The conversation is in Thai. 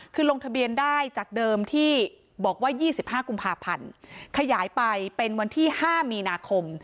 คือลงทะเบียนได้จากเดิมที่บอกว่า๒๕กุมภาพันธ์ขยายไปเป็นวันที่๕มีนาคม